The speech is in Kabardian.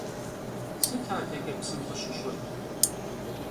Sıt adeç'e psım khışış'ır?